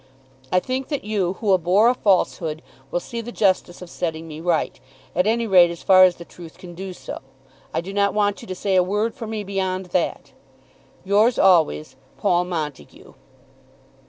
I think that you, who abhor a falsehood, will see the justice of setting me right, at any rate as far as the truth can do so. I do not want you to say a word for me beyond that. Yours always, PAUL MONTAGUE.